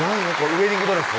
ウエディングドレス？